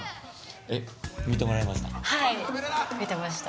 見てもらえました？